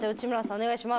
お願いします。